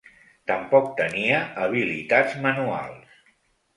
Tampoc tenia habilitats manuals.